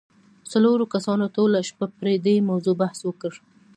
څلورو کسانو ټوله شپه پر دې موضوع بحث وکړ.